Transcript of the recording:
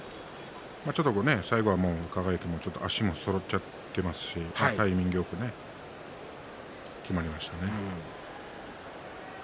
ちょっと最後は輝の足がそろっちゃっていますしタイミングよくきまりましたね。